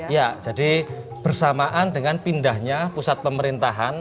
ya jadi bersamaan dengan pindahnya pusat pemerintahan